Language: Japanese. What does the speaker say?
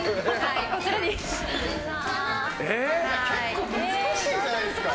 結構難しいんじゃないですか？